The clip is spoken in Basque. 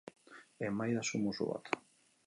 Emaidazu muxu bat.